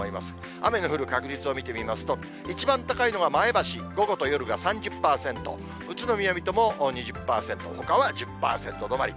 雨の降る確率を見てみますと、一番高いのが前橋、午後と夜が３０％、宇都宮、水戸も２０％、ほかは１０％止まり。